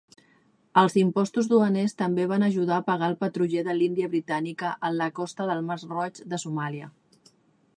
Els impostos duaners també van ajudar a pagar el patruller de l'Índia britànica en la costa del Mar Roig de Somàlia.